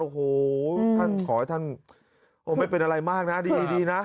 โอ้โหท่านขอให้ท่านไม่เป็นอะไรมากนะดีนะ